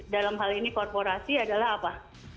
dalam hal ini korporasi adalah apa